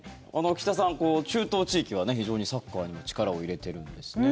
岸田さん、中東地域は非常にサッカーにも力を入れてるんですね。